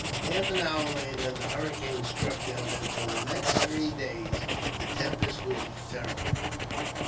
Half an hour later the hurricane struck them, and for the next three days the tempest was terrible.